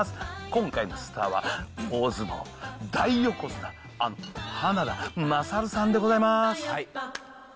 今回のスターは、大相撲、大横綱、あの花田虎上さんでございます。